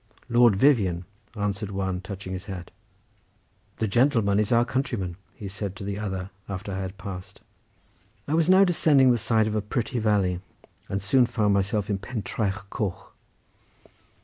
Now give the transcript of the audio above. "Lord Vivian," answered one, touching his hat. "The gentleman is our countryman," said he to the other after I had passed. I was now descending the side of a pretty valley, and soon found myself at Pentraeth Coch.